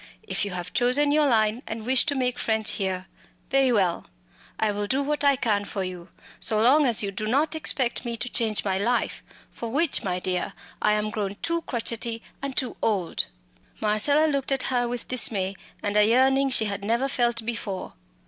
If you have chosen your line and wish to make friends here very well I will do what I can for you so long as you do not expect me to change my life for which, my dear, I am grown too crotchety and too old." Marcella looked at her with dismay and a yearning she had never felt before.